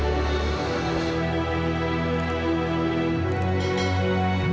kamu takut kehilangan suara kamu